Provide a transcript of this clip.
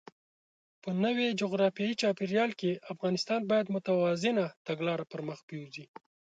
په نوي جغرافیايي چاپېریال کې، افغانستان باید متوازنه تګلاره پرمخ بوځي.